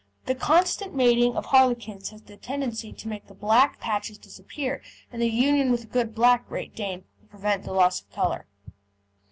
The constant mating of harlequins has the tendency to make the black patches disappear, and the union with a good black Great Dane will prevent the loss of colour.